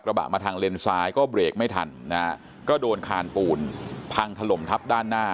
กระบะมาทางเลนซ้ายก็เบรกไม่ทันนะฮะก็โดนคานปูนพังถล่มทับด้านหน้า